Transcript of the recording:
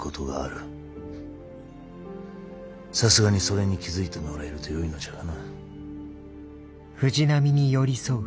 さすがにそれに気付いてもらえるとよいのじゃがな。